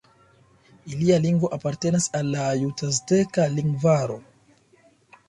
Ilia lingvo apartenas al la jut-azteka lingvaro.